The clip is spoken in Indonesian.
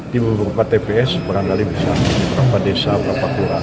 di beberapa tps perang dalim bisa di beberapa desa beberapa kelurahan